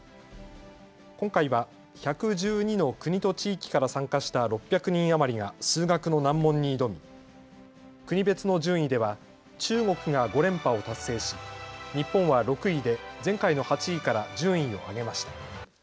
今回は１１２の国と地域から参加した６００人余りが数学の難問に挑み、国別の順位では中国が５連覇を達成し日本は６位で前回の８位から順位を上げました。